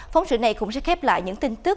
phóng sự này cũng sẽ khép lại những tin tức